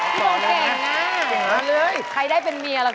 บอกแล้วนะต่อเลยพี่โจ้เก่งนะใครได้เป็นเมียละ